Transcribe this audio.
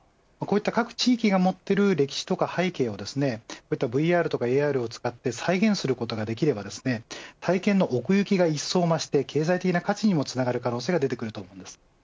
こういった地域が持っている歴史背景をＶＲやＡＲを使って再現することができれば体験の奥行きが一層まして経済的な価値にもつながる可能性が出てきます。